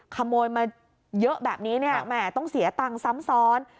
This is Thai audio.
ขโมยมาเยอะแบบนี้เนี่ยแหมต้องเสียตังค์ซ้ำซ้อน